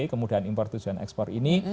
kemudahan impor tujuan ekspor ini